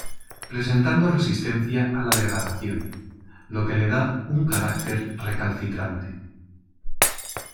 Presentando resistencia a la degradación lo que le da un carácter recalcitrante.